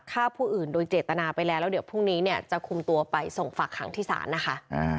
ฆ่าผู้อื่นโดยเจตนาไปแล้วแล้วเดี๋ยวพรุ่งนี้เนี่ยจะคุมตัวไปส่งฝากหางที่ศาลนะคะ